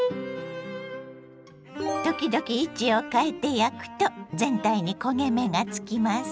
時々位置を変えて焼くと全体に焦げ目がつきます。